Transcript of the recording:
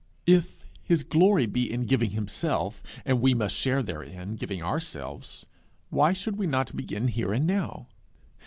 If his glory be in giving himself, and we must share therein, giving ourselves, why should we not begin here and now?